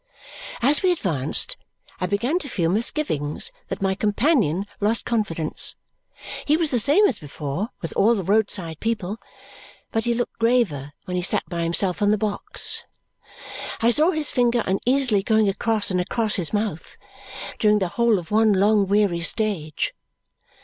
As we advanced, I began to feel misgivings that my companion lost confidence. He was the same as before with all the roadside people, but he looked graver when he sat by himself on the box. I saw his finger uneasily going across and across his mouth during the whole of one long weary stage.